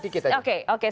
saya ingin menjelaskan